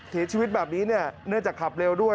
เสียชีวิตแบบนี้เนี่ยเนื่องจากขับเร็วด้วย